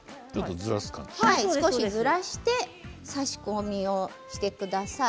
ちょっとずらして刺し込みをしてください。